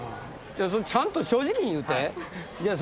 ちゃんと正直に言うて。